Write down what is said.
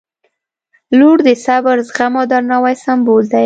• لور د صبر، زغم او درناوي سمبول دی.